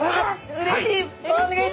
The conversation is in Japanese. うれしい！